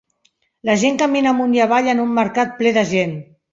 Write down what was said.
La gent camina amunt i avall en un mercat ple de gent.